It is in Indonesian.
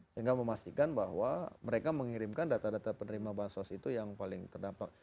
sehingga memastikan bahwa mereka mengirimkan data data penerima bansos itu yang paling terdampak